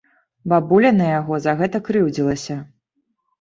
Бабуля на яго за гэта крыўдзілася.